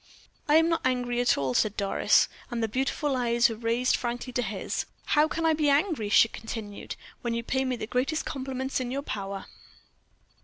"I am not angry at all," said Doris, and the beautiful eyes were raised frankly to his. "How can I be angry," she continued, "when you pay me the greatest compliments in your power."